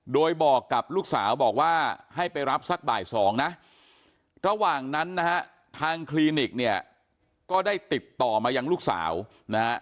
โดยบอกกับลูกสาวบอกว่าให้ไปรับสักบ่าย๒นะระหว่างนั้นนะฮะทางคลินิกเนี่ยก็ได้ติดต่อมายังลูกสาวนะฮะ